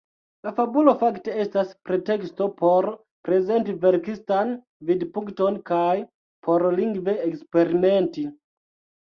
La fabulo fakte estas preteksto por prezenti verkistan vidpunkton kaj por lingve eksperimenti.